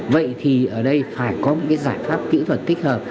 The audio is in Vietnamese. vậy thì ở đây phải có những giải pháp kỹ thuật thích hợp